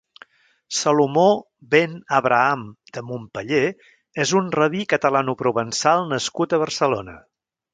Salomó ben Abraham de Montpeller és un rabí catalano-provençal nascut a Barcelona.